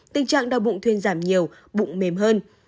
tình trạng đau bụng thuyên giảm nhiều bụng mềm hơn